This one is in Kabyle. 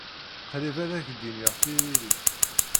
Qrib ad ak-d-iniɣ tiririt.